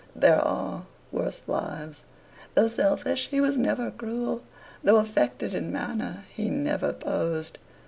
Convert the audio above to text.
There are worse lives. Though selfish, he was never cruel; though affected in manner, he never posed.